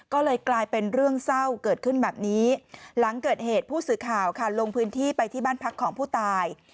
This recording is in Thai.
ก็เลยกลายเป็นเรื่องเศร้าเกิดขึ้นแบบนี้หลังเกิดเหตุผู้สื่อข่าวค่ะลงพื้นที่ไปที่บ้านพักของผู้ตาย